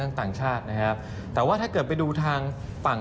แต่ถ้า๔ต่างชาติมารถถือดูภัง